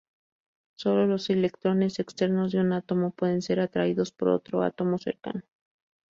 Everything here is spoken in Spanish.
Sólo los electrones externos de un átomo pueden ser atraídos por otro átomo cercano.